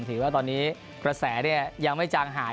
ถือว่าตอนนี้กระแสยังไม่จางหาย